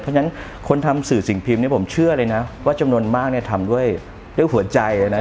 เพราะฉะนั้นคนทำสื่อสิ่งพิมพ์ผมเชื่อเลยนะว่าจำนวนมากทำด้วยหัวใจนะ